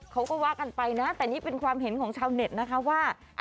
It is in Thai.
เขาก็ว่ากันไปนะแต่นี่เป็นความเห็นของชาวเน็ตนะคะว่า